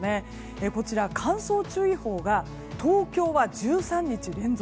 こちら、乾燥注意報が東京は１３日連続